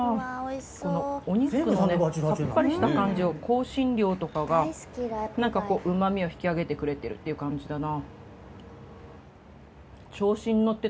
このお肉がねさっぱりした感じを香辛料とかがなんかこううまみを引き上げてくれてるっていう感じだな。